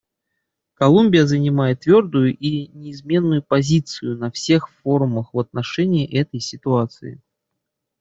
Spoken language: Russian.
Колумбия занимает твердую и неизменную позицию на всех форумах в отношении этой ситуации.